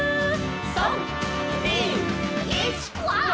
「３・２・１わあ」